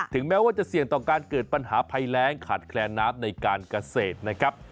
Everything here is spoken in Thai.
แม้ว่าจะเสี่ยงต่อการเกิดปัญหาภัยแรงขาดแคลนน้ำในการเกษตรนะครับ